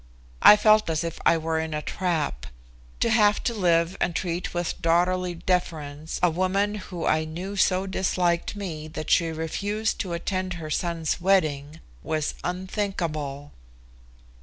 I felt as if I were in a trap. To have to live and treat with daughterly deference a woman who I knew so disliked me that she refused to attend her son's wedding was unthinkable.